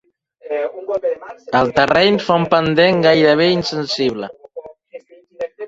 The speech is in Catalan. El terreny fa un pendent gairebé insensible.